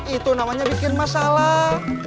itu namanya bikin masalah